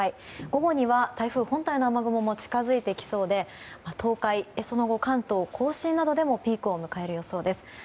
午後には台風本体の雨雲も近づいてきそうで東海その後、関東・甲信などでもピークを迎えそうです。